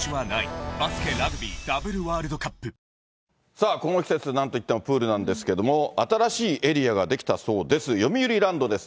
さあ、この季節、なんといってもプールなんですけれども、新しいエリアができたそうです、よみうりランドです。